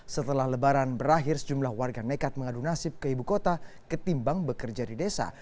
setelah lebaran berakhir sejumlah warga nekat mengadu nasib ke ibu kota ketimbang bekerja di desa